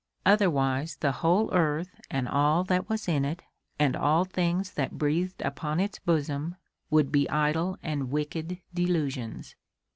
Otherwise the whole earth and all that was in it and all things that breathed upon its bosom would be idle and wicked delusions.